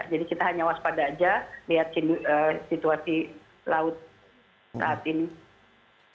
jadi kita hanya waspada saja lihat situasi laut saat ini